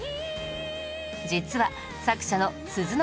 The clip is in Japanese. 実は作者の鈴ノ